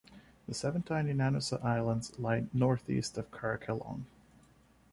The seven tiny Nanusa Islands lie north-east of Karakelong.